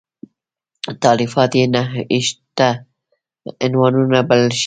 تالیفات یې نهه ویشت عنوانه بلل شوي.